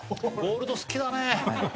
ゴールド好きだね